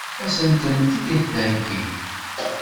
Ad sen-tent-id-theggi?